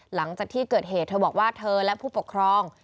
หลังจากที่เกิดเหตุเธอบอกว่าเธอและผู้ปกครอง